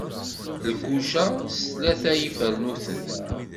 Lkuca s tlata n yifarnuten.